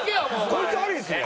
こいつありですね。